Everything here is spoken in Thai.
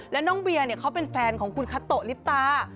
แล้วน้องเบียร์เขาเป็นแฟนของคุณคาโตะลิปตา